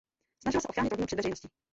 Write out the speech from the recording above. Snažila se chránit rodinu před veřejností.